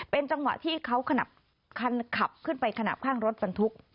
เป็นจังหวะที่เขาขนับคันขับขึ้นไปขนาดข้างรถบรรทุก